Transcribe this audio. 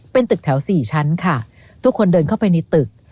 เป็นตึกแถวสี่ชั้นค่ะทุกคนเดินเข้าไปในตึก